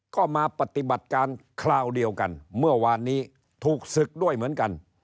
ก็มาปฏิบัติการคราวเดียวกันเมื่อวานนี้ถูกศึกด้วยเหมือนกัน